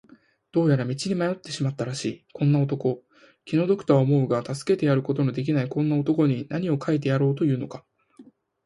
どうやら道に迷ってしまったらしいこんな男、気の毒とは思うが助けてやることのできないこんな男に、なにを書いてやろうというのか。